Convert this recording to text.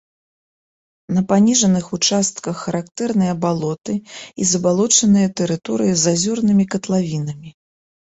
На паніжаных участках характэрныя балоты і забалочаныя тэрыторыі з азёрнымі катлавінамі.